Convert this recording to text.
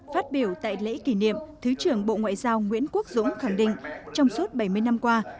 phát biểu tại lễ kỷ niệm thứ trưởng bộ ngoại giao nguyễn quốc dũng khẳng định trong suốt bảy mươi năm qua